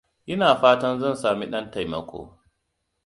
Ina fatan zan sami dan taimako.